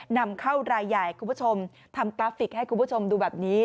นำเข้ารายใหญ่คุณผู้ชมทำกราฟิกให้คุณผู้ชมดูแบบนี้